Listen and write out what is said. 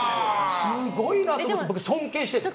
すごいなと思って僕尊敬しているんです。